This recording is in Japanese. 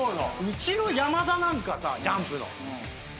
うちの山田なんかさＪＵＭＰの。